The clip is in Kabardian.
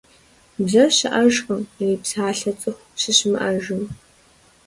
Бзэр щыӀэжкъым, ирипсалъэ цӀыху щыщымыӀэжым.